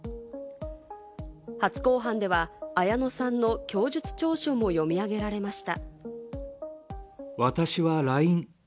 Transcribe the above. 初公判では綾野さんの供述調書も読み上げられました。